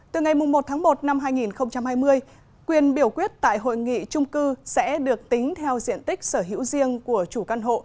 từ ngày một một hai nghìn hai mươi quyền biểu quyết tại hội nghị chung cư sẽ được tính theo diện tích sở hữu riêng của chủ căn hộ